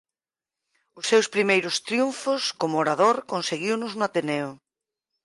Os seus primeiros triunfos como orador conseguiunos no Ateneo.